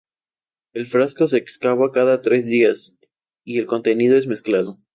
El frasco se excava cada tres días y el contenido es mezclado.